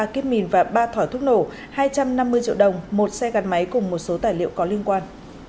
ba kíp mìn và ba thỏi thuốc nổ hai trăm năm mươi triệu đồng một xe gắn máy cùng một số tài liệu có liên quan